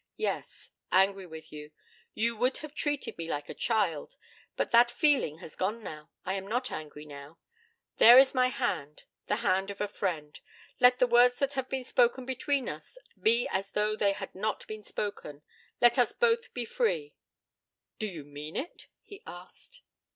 'Yes, angry with you. You would have treated me like a child. But that feeling has gone now. I am not angry now. There is my hand; the hand of a friend. Let the words that have been spoken between us be as though they had not been spoken. Let us both be free.' 'Do you mean it?' he asked.